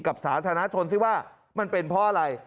สาธารณชนสิว่ามันเป็นเพราะอะไร